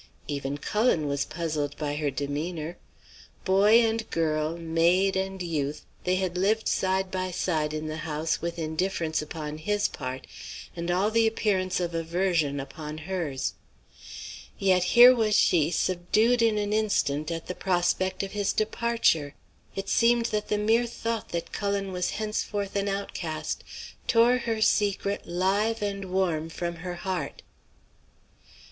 "Even Cullen was puzzled by her demeanour. Boy and girl, maid and youth, they had lived side by side in the house with indifference upon his part and all the appearance of aversion upon hers. Yet here was she subdued in an instant at the prospect of his departure! It seemed that the mere thought that Cullen was henceforth an outcast tore her secret live and warm from her heart.